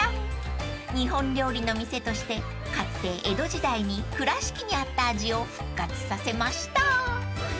［日本料理の店としてかつて江戸時代に倉敷にあった味を復活させました］